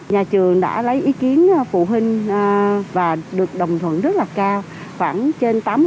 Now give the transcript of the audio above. nhà trường đã lấy ý kiến phụ huynh và được đồng thuận rất là cao khoảng trên tám mươi